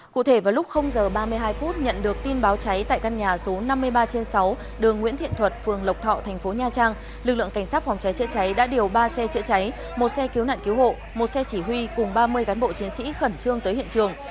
cụ thể vào lúc giờ ba mươi hai phút nhận được tin báo cháy tại căn nhà số năm mươi ba trên sáu đường nguyễn thiện thuật phường lộc thọ thành phố nha trang lực lượng cảnh sát phòng cháy chữa cháy đã điều ba xe chữa cháy một xe cứu nạn cứu hộ một xe chỉ huy cùng ba mươi cán bộ chiến sĩ khẩn trương tới hiện trường